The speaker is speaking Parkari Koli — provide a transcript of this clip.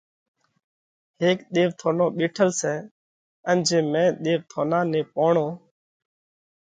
هيڪ ۮيوَٿونو ٻيٺل سئہ ان جي مئين ۮيوَٿونا نئہ پوڻو